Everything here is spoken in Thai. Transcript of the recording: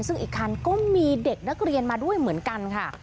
ซึ่งอีกคันก็มีเด็กนักเรียนมาด้วยเหมือนกันค่ะ